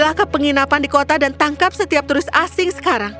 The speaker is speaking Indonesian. setelah ke penginapan di kota dan tangkap setiap turis asing sekarang